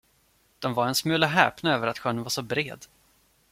De var en smula häpna över att sjön var så bred.